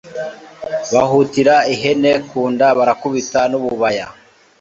bahutira ihene ku nda barakubita n'ububaya